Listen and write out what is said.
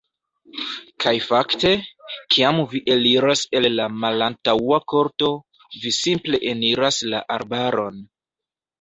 Kaj fakte, kiam vi eliras el la malantaŭa korto, vi simple eniras la arbaron.